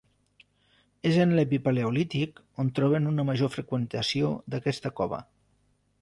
És en l'epipaleolític on troben una major freqüentació d'aquesta cova.